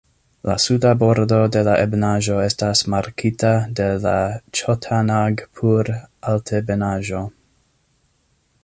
La suda bordo de la ebenaĵo estas markita de la Ĉotanagpur-Altebenaĵo.